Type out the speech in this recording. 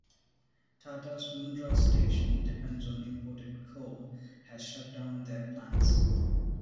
Tata’s Mundra station depends on imported coal has shutdown their plants.